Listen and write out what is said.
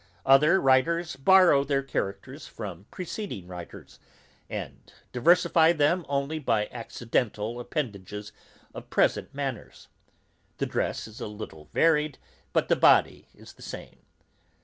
Other writers borrow their characters from preceding writers, and diversify them only by the accidental appendages of present manners; the dress is a little varied, but the body is the same.